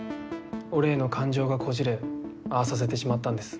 俺への感情がこじれああさせてしまったんです。